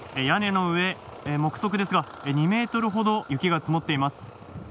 屋根の上、目測ですが２ｍほど雪が積もっています。